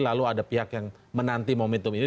lalu ada pihak yang menanti momentum ini